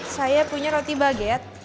saya punya roti baguette